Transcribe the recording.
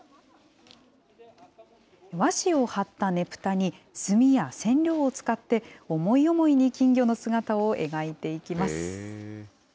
和紙を貼ったねぷたに、墨や染料を使って、思い思いに金魚の姿を描いていきます。